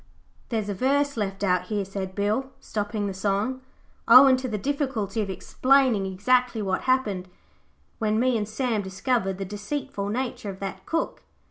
'There's a verse left out here,' said Bill, stopping the song, 'owin' to the difficulty of explainin' exactly what happened, when me and Sam discovered the deceitful nature of that cook.